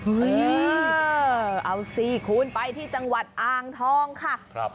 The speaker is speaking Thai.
เออเอาสิคุณไปที่จังหวัดอ่างทองค่ะ